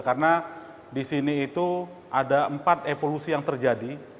karena di sini itu ada empat evolusi yang terjadi